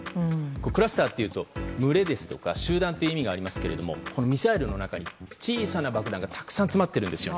クラスターというと群れですとか集団という意味がありますがこのミサイルの中に小さな爆弾がたくさん詰まってるんですよ。